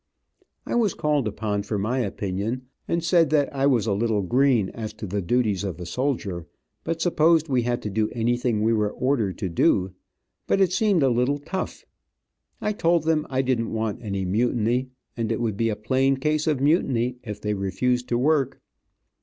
I was called upon for my opinion, and said that I was a little green as to the duties of a soldier, but supposed we had to do anything we were ordered to do, but it seemed a little tough. I told them I didn't want any mutiny, and it would be a plain case of mutiny if they refused to work.